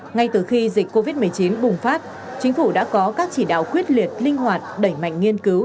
ngay từ khi dịch covid một mươi chín bùng phát chính phủ đã có các chỉ đạo quyết liệt linh hoạt đẩy mạnh nghiên cứu